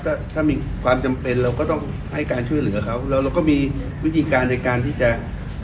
ถ้าถ้ามีความจำเป็นเราก็ต้องให้การช่วยเหลือเขาแล้วเราก็มีวิธีการในการที่จะ